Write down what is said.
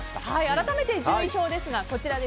改めて順位表です。